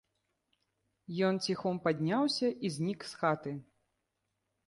Ён ціхом падняўся і знік з хаты.